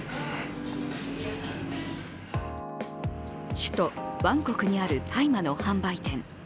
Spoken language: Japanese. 首都バンコクにある大麻の販売店。